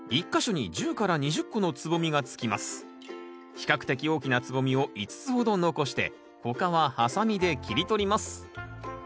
比較的大きな蕾を５つほど残して他はハサミで切り取ります。